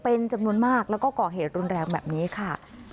เป็นจำนวนมากแล้วก็ก่อเหตุรุนแรงแบบนี้ค่ะ